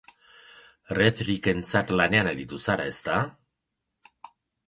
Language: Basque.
Rethrickentzat lanean aritu zara, ezta?